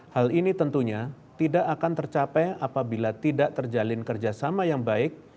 hal ini tentunya tidak akan tercapai apabila tidak terjalin kerjasama yang baik